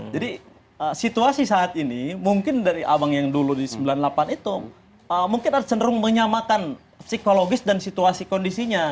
jadi situasi saat ini mungkin dari abang yang dulu di sembilan puluh delapan itu mungkin cenderung menyamakan psikologis dan situasi kondisinya